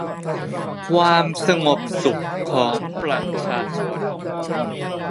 ความสงบสุขของประชาชน